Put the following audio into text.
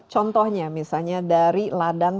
contohnya misalnya dari ladang